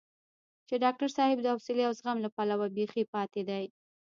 چې ډاکټر صاحب د حوصلې او زغم له پلوه بېخي پاتې دی.